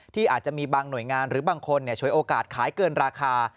ที่อาจจะมีบางหน่วยงานหรือบางคนฉวยโอกาสขายเกินราคา